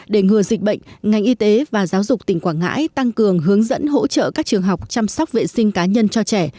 để ngừa dịch bệnh ngành y tế và giáo dục tỉnh quảng ngãi tăng cường hướng dẫn hỗ trợ các trường học chăm sóc vệ sinh cá nhân cho trẻ